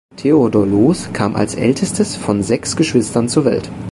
Theodor Loos kam als ältestes von sechs Geschwistern zur Welt.